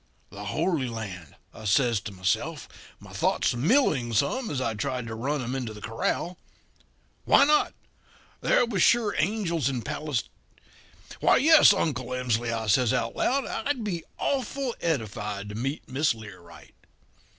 "'The Holy Land,' I says to myself, my thoughts milling some as I tried to run 'em into the corral. 'Why not? There was sure angels in Pales Why, yes, Uncle Emsley,' I says out loud, 'I'd be awful edified to meet Miss Learight.'